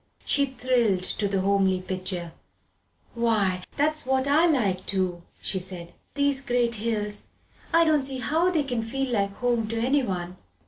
She thrilled to the homely picture. "Why, that's what I like too!" she said. "These great hills I don't see how they can feel like home to anyone.